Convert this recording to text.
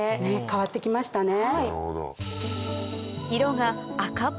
変わって来ましたね。